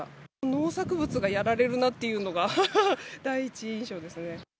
農作物がやられるなっていうのが、第一印象ですね。